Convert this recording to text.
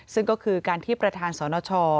ซึ่งก็คือการที่ประธานสนช